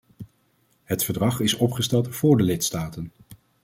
Het verdrag is opgesteld voor de lidstaten.